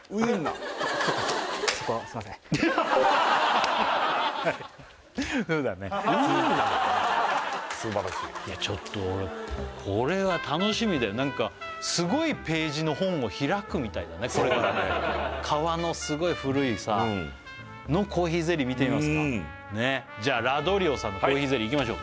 そうだねいやちょっと俺これは楽しみだよなんかすごいページの本を開くみたいだね革のすごい古いさのコーヒーゼリー見てみますかじゃあラドリオさんのコーヒーゼリーいきましょう